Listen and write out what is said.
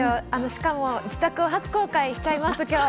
しかも、自宅を初公開しちゃいます、今日。